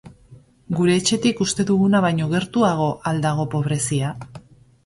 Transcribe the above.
Gure etxetik uste duguna baino gertuago al dago pobrezia?